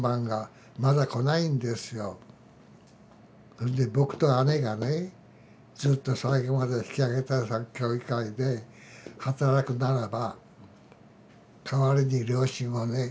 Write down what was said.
それで僕と姉がねずっと最後まで引揚対策協議会で働くならば代わりに両親をね